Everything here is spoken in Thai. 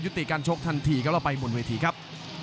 ยุติการโชคทันทีครับแล้วไปหมดเวทีครับ